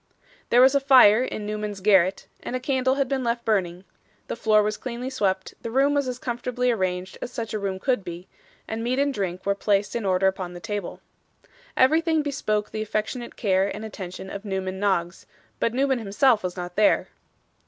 There was a fire in Newman's garret; and a candle had been left burning; the floor was cleanly swept, the room was as comfortably arranged as such a room could be, and meat and drink were placed in order upon the table. Everything bespoke the affectionate care and attention of Newman Noggs, but Newman himself was not there.